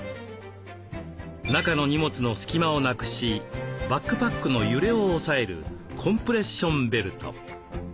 中の荷物の隙間をなくしバックパックの揺れを抑えるコンプレッションベルト。